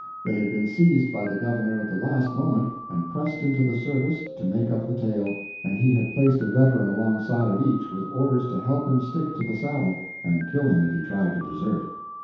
They had been seized by the governor at the last moment and pressed into the service to make up the tale, and he had placed a veteran alongside of each with orders to help him stick to the saddle, and kill him if he tried to desert.